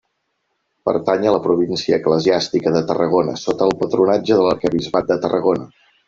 Pertany a la província eclesiàstica de Tarragona, sota el patronatge de l'arquebisbat de Tarragona.